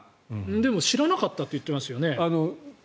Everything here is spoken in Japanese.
でも知らなかったって言ってましたよね。